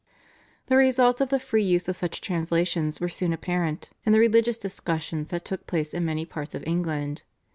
The results of the free use of such translations were soon apparent in the religious discussions that took place in many parts of England.